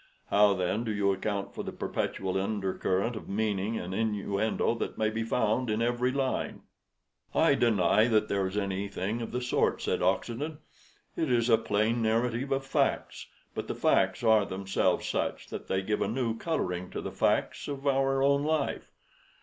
"How, then, do you account for the perpetual undercurrent of meaning and innuendo that may be found in every line?" "I deny that there is anything of the sort," said Oxenden. "It is a plain narrative of facts; but the facts are themselves such that they give a new coloring to the facts of our own life.